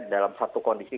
dalam satu kondisi